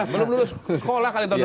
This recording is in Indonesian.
belum lulus sekolah kali ya